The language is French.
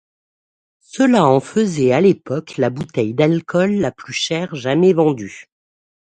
Cela en faisait à l'époque la bouteille d'alcool la plus chère jamais vendue.